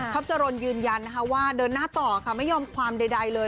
ครอบเจริญยืนยันว่าเดินหน้าต่อค่ะไม่ยอมความใดเลย